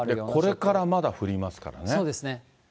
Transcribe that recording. これからまだ降りますからね。